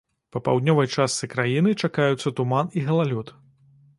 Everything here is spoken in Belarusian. Па паўднёвай частцы краіны чакаюцца туман і галалёд.